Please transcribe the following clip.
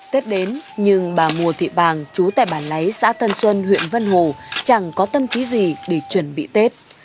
tết đến nhưng bà mùa thị bàng chú tại bản lấy xã tân xuân huyện vân hồ chẳng có tâm trí gì để chuẩn bị tết